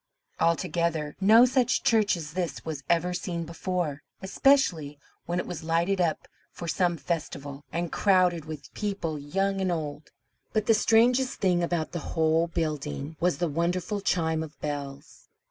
Altogether, no such church as this was ever seen before, especially when it was lighted up for some festival, and crowded with people, young and old. But the strangest thing about the whole building was the wonderful chime of bells.